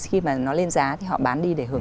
khi mà nó lên giá thì họ bán đi để hưởng